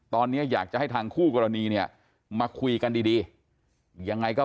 ตอนนี้อยากจะให้ทางคู่กรณีเนี่ยมาคุยกันดีดียังไงก็